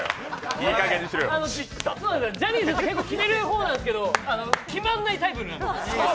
ジャニーズって結構決める方なんですけど決まんないタイプなんです。